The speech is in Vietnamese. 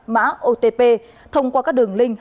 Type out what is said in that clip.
mã otp thông qua các đường link